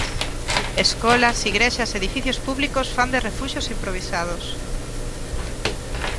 Escolas, igrexas e edificios públicos fan de refuxios improvisados.